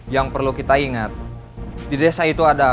jangan lupa dia lebih compenser itu